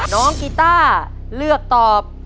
น้องกีต้าเลือกตอบ